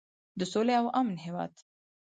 د سولې او امن هیواد.